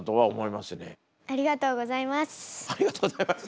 ありがとうございます。